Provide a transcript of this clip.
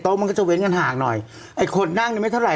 โต๊กมันก็จะเว้นกันห่างหน่อยไอคนนั่งไม่เท่าไร